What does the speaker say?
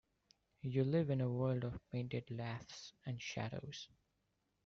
You live in a world of painted laths and shadows.